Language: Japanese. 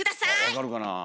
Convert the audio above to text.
分かるかなあ。